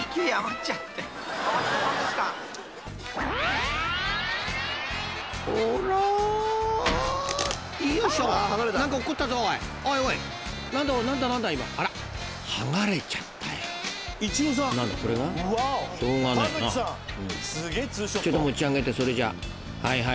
［ちょいと持ち上げてそれじゃはいはいはい］